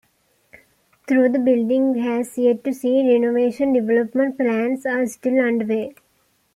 Though the building has yet to see renovation, development plans are still underway.